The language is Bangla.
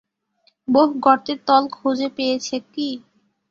বোহ, গর্তের তল খুঁজে পেয়েছ কি?